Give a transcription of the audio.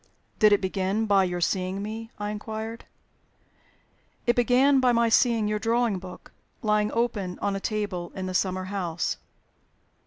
"Did it begin by your seeing me?" I inquired. "It began by my seeing your drawing book lying open on a table in a summer house."